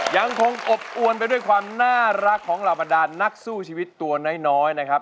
ยังคงอบอวนไปด้วยความน่ารักของเหล่าบรรดานนักสู้ชีวิตตัวน้อยนะครับ